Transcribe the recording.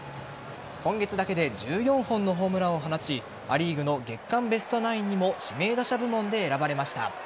今月だけで１４本のホームランを放ちア・リーグの月間ベストナインにも指名打者部門で選ばれました。